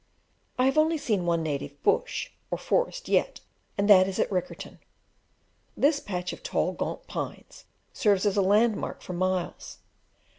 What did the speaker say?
I have only seen one native "bush" or forest yet, and that is at Riccarton. This patch of tall, gaunt pines serves as a landmark for miles.